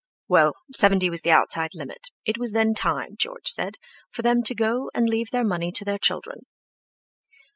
Well, seventy was the outside limit; it was then time, George said, for them to go and leave their money to their children.